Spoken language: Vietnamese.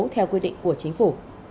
theo quy định của chính phủ